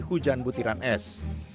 hujan butiran es